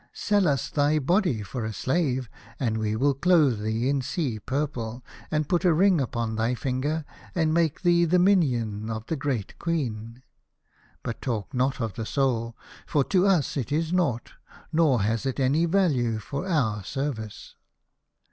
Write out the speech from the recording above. Sell us thy body for a slave, and we will clothe thee in sea purple, and put a ring upon thy finger, and make thee the minion of the great Queen. But talk not ot the soul, for to us it is nought, nor has it any value for our service."